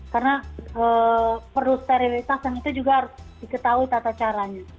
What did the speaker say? karena perlu sterilitas dan itu juga harus diketahui tata caranya